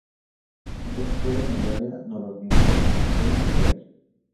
Está situado en el área nororiental del krai.